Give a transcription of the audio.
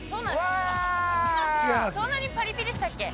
そんなにパリピでしたっけ。